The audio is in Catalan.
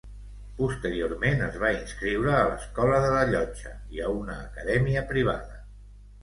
Posteriorment es va inscriure a l'Escola de la Llotja i a una acadèmia privada.